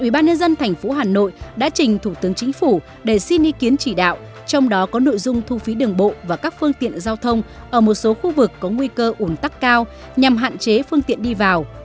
ubnd tp hà nội đã trình thủ tướng chính phủ để xin ý kiến chỉ đạo trong đó có nội dung thu phí đường bộ và các phương tiện giao thông ở một số khu vực có nguy cơ ủn tắc cao nhằm hạn chế phương tiện đi vào